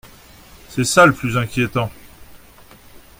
C’est ça le plus inquiétant.